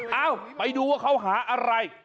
เอ้าไปดูว่าเขาหาอะไร